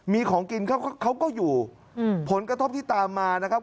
มีของกินเขาก็อยู่ผลกระทบที่ตามมานะครับ